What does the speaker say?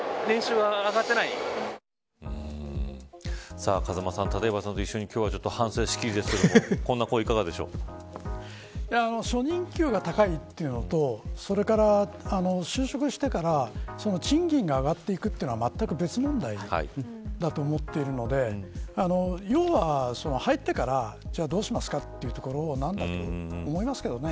さあ、風間さん立岩さんと一緒に今日は反省しきりですけど初任給が高いというのとそれから就職してから賃金が上がっていくというのはまったく別問題だと思っているので要は、入ってからじゃあどうしますかというところだなんだと思いますけどね。